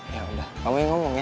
yaudah kamu yang ngomong ya